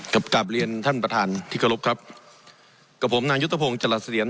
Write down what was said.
กลับกลับเรียนท่านประธานที่เคารพครับกับผมนายุทธพงศ์จรัสเถียร